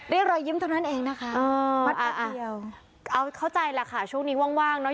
เรียกรอยยิ้มเท่านั้นเองนะคะเออเอาเข้าใจแหละค่ะช่วงนี้ว่างว่างเนอะ